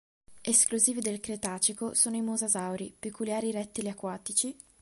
Esclusivi del Cretacico sono i mosasauri, peculiari rettili acquatici..